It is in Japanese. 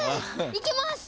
いけます！